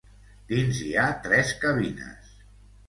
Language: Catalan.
Dins hi ha tres cabines.